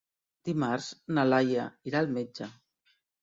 Dimarts na Laia irà al metge.